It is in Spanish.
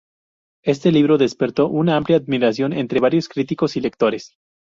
Este libro despertó una amplia admiración entre varios críticos y lectores.